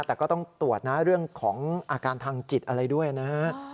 แต่ก็ต้องตรวจนะเรื่องของอาการทางจิตอะไรด้วยนะฮะ